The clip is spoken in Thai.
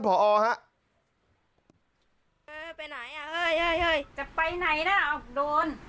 พอไปไหนอ่ะเออจะไปไหนนะโดน